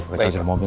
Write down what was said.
pakai charger mobil